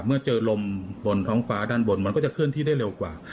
เมื่อเจอลมบนท้องฟ้าด้านบนมันก็จะเคลื่อนที่ได้เร็วกว่า